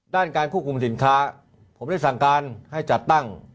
ด้านการควบคุมสินค้าผมได้สั่งการให้จัดตั้ง